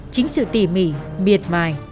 chính sự tỉ mỉ miệt mài